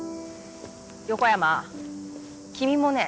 横山君もね